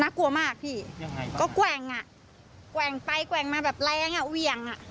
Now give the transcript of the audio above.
กลัวมากพี่ยังไงก็แกว่งอ่ะแกว่งไปแกว่งมาแบบแรงอ่ะเหวี่ยงอ่ะ